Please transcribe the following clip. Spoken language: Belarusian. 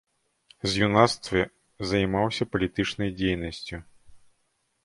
З юнацтве займаўся палітычнай дзейнасцю.